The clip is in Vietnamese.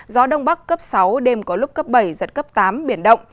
gió đông bắc cấp sáu đêm có lúc cấp bảy giật cấp tám biển động